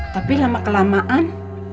tapi lama kelamaan